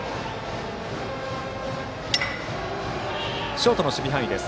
ショートの守備範囲です。